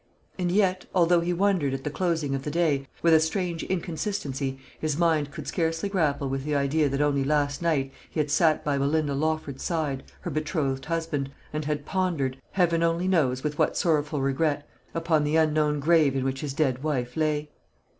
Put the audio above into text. And yet, although he wondered at the closing of the day, with a strange inconsistency his mind could scarcely grapple with the idea that only last night he had sat by Belinda Lawford's side, her betrothed husband, and had pondered, Heaven only knows with what sorrowful regret, upon the unknown grave in which his dead wife lay.